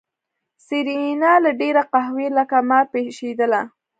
سېرېنا له ډېره قهره لکه مار پشېدله.